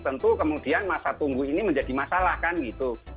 tentu kemudian masa tunggu ini menjadi masalah kan gitu